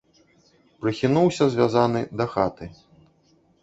Прыхінуўся, звязаны, да хаты.